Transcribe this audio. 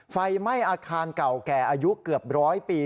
ไฟไหม้อาคารเก่าแก่อายุเกือบร้อยปี